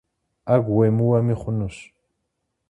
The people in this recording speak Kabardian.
Ӏэгу уемыуэми хъунущ.